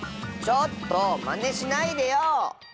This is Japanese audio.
ちょっとまねしないでよ！